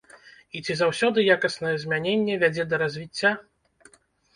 І ці заўсёды якаснае змяненне вядзе да развіцця?